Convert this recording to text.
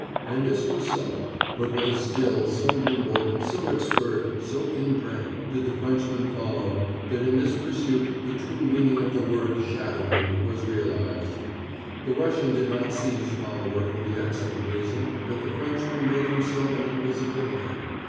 And this was so but with a skill so nimble, so expert, so inbred, did the Frenchman follow, that in this pursuit the true meaning of the word "shadowing" was realized. The Russian did not see his follower for the excellent reason that the Frenchman made himself an invisibility.